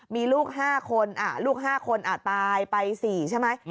มีลูก๕คนลูก๕คนตายไป๔ใช่ไหม